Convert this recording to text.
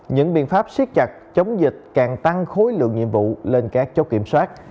những biện pháp siết chặt chống dịch càng tăng khối lượng nhiệm vụ lên các chốt kiểm soát